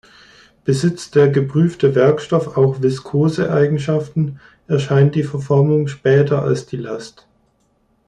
Besitzt der geprüfte Werkstoff auch viskose Eigenschaften, erscheint die Verformung später als die Last.